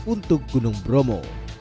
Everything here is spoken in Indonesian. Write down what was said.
untuk gunung bromo